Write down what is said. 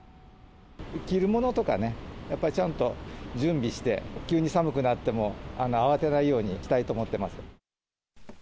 着るものとかね、やっぱりちゃんと準備して、急に寒くなっても慌てないようにしたいと思ってます。